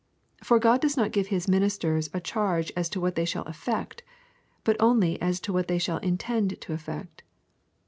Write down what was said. For God does not give His ministers a charge as to what they shall effect, but only as to what they shall intend to effect.